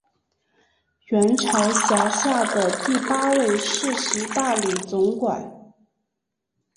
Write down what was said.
元朝辖下的第八位世袭大理总管。